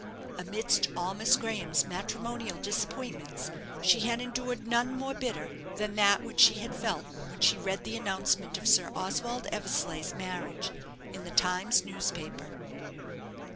Amidst all Miss Graham's matrimonial disappointments, she had endured none more bitter than that which she had felt when she read the announcement of Sir Oswald Eversleigh's marriage in the "Times" newspaper.